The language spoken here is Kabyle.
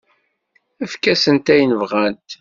Efk-asent ayen bɣant.